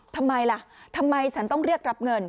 ทำไมล่ะทำไมฉันต้องเรียกรับเงิน